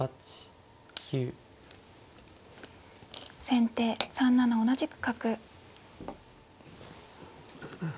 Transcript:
先手３七同じく角。